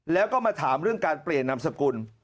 แล้วก็มาถามเรื่องการเปลี่ยนนามสกุล